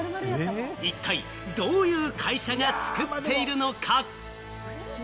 一体どういう会社が作っているのか？